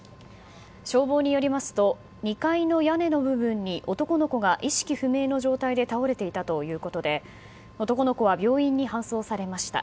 消防によりますと２階の屋根の部分に男の子が意識不明の状態で倒れていたということで男の子は病院に搬送されました。